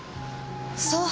そう。